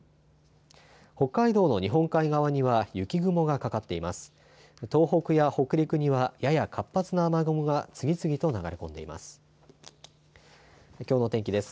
北海道の日本海側には雪雲がかかっています。